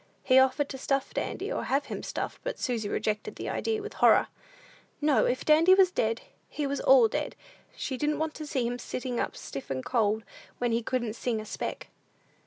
He offered to stuff Dandy, or have him stuffed; but Susy rejected the idea with horror. "No, if Dandy was dead, he was all dead; she didn't want to see him sitting up stiff and cold, when he couldn't sing a speck."